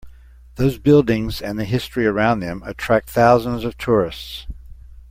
Those buildings and the history around them attract thousands of tourists.